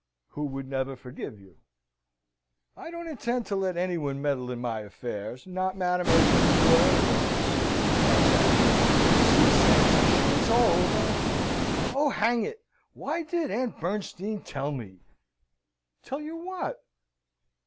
"Who would never forgive you." "I don't intend to let anybody meddle in my affairs, not Madam Esmond nor anybody else," cries Harry: "but you see, Sampson, she is old and, oh, hang it! Why did Aunt Bernstein tell me ?" "Tell you what?"